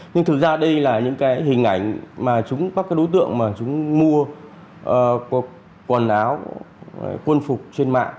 nhưng thực ra đây là những cái hình ảnh mà chúng các cái đối tượng mà chúng mua quần áo quân phục trên mạng